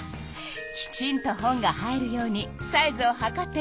きちんと本が入るようにサイズをはかっているのね。